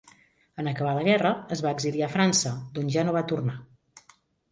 En acabar la guerra es va exiliar a França, d'on ja no va tornar.